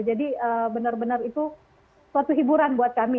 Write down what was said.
jadi benar benar itu suatu hiburan buat kami